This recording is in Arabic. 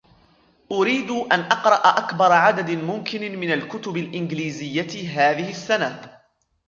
أريد أن أقرأ أكبر عدد ممكن من الكتب الإنجليزية هذه السنة.